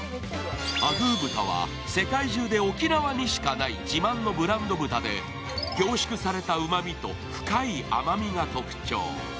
あぐー豚は世界中で沖縄にしかない自慢のブランド豚で凝縮されたうまみと、深い甘みが特徴。